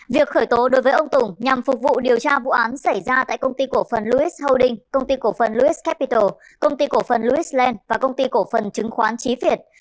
việc khởi tố đối với ông tùng nhằm phục vụ điều tra vụ án xảy ra tại công ty cổ phần lewis holdings công ty cổ phần lewis capital công ty cổ phần lewis land và công ty cổ phần chứng khoán trí việt